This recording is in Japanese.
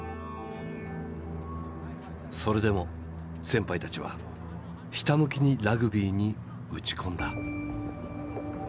それでも先輩たちはひたむきにラグビーに打ち込んだ。